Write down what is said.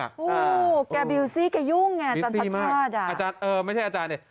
แกบิวซี่แกยุ่งไงอาจารย์พัชชาติ